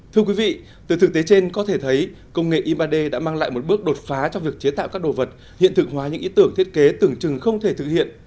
thưa quý vị từ thực tế trên có thể thấy công nghệ in ba d đã mang lại một bước đột phá trong việc chế tạo các đồ vật hiện thực hóa những ý tưởng thiết kế tưởng chừng không thể thực hiện